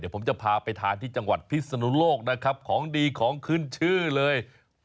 ผมจะพาไปทานที่ศรุโลกของดีของขึ้นชื่อเลย